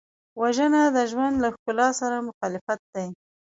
وژنه د ژوند له ښکلا سره مخالفت دی